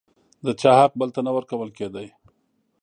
د چا حق بل ته نه ورکول کېده.